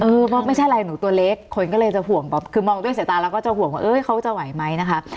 ไม่ใช่อะไรหนูตัวเล็กคนก็เลยจะห่วงแบบคือมองด้วยสายตาแล้วก็จะห่วงว่าเอ้ยเขาจะไหวไหมนะคะ